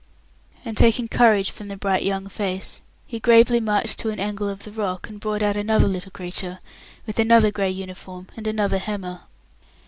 And taking courage from the bright young face, he gravely marched to an angle of the rock, and brought out another little creature, with another grey uniform and another hammer.